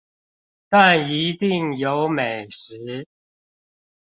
但一定有美食